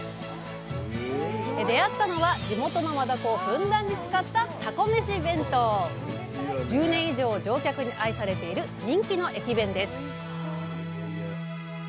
出会ったのは地元のマダコをふんだんに使った１０年以上乗客に愛されている人気の駅弁です